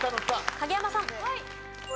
影山さん。